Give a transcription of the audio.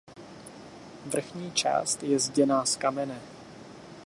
Vrchní část je zděná z kamene.